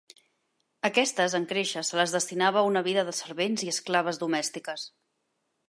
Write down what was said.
Aquestes, en créixer, se les destinava una vida de servents i esclaves domèstiques.